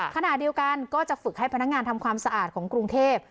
ขณะเดียวกันก็จะฝึกให้พนักงานทำความสะอาดของกรุงเทพ